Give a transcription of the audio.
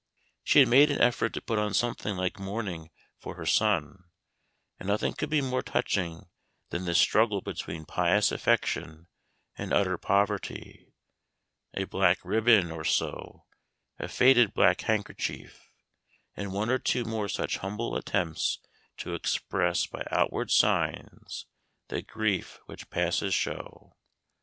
She had made an effort to put on something like mourning for her son; and nothing could be more touching than this struggle between pious affection and utter poverty a black ribbon or so, a faded black handkerchief, and one or two more such humble attempts to express by outward signs that grief which passes show.